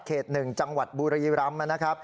เขต๑จังหวัดบุรีรำ